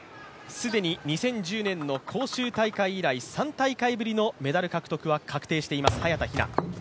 既に２０１０年の広州大会以来、３大会ぶりのメダル獲得は確定しています、早田ひな。